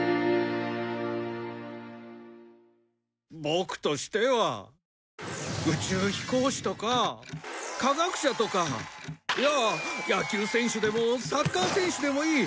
ボクとしては宇宙飛行士とか科学者とかいや野球選手でもサッカー選手でもいい。